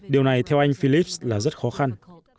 điều này theo anh phillips là rất khó khăn